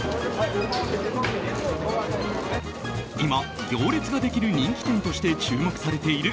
今、行列ができる人気店として注目されている